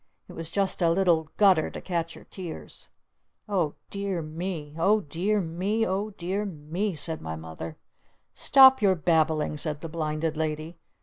It was just a little gutter to catch her tears. "Oh dear me Oh dear me Oh dear me!" said my Mother. "Stop your babbling!" said the Blinded Lady.